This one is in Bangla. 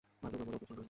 ভালুক আমার অপছন্দ।